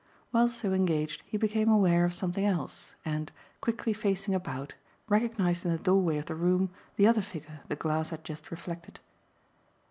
While so engaged he became aware of something else and, quickly facing about, recognised in the doorway of the room the other figure the glass had just reflected.